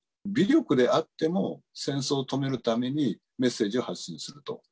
微力であっても、戦争を止めるためにメッセージを発信すると。